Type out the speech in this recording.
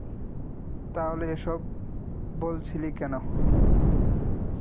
তাহলে ওসব বলছিলি কেন?